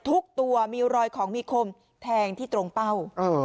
ทุกตัวมีรอยของมีคมแทงที่ตรงเป้า